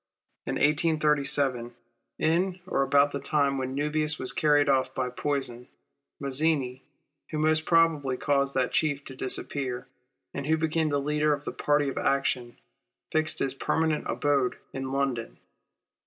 In 1837, in or about the time when Nubius was carried off by poison, Mazzini, who most probably caused that Chief to disappear, and who became the leader of the party of action, fixed his permanent abode in London.